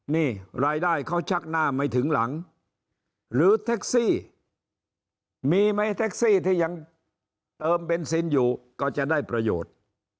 นี่รายได้เขาชักหน้าไม่ถึงหลังหรือแท็กซี่มีไหมแท็กซี่ที่ยังเติมเบนซินอยู่ก็จะได้ประโยชน์